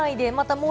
もう